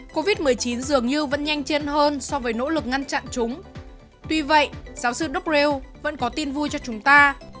covid một mươi chín dường như vẫn nhanh chân hơn so với nỗ lực ngăn chặn chúng tuy vậy giáo sư dobrew vẫn có tin vui cho chúng ta